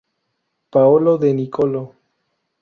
Paolo De Nicolò.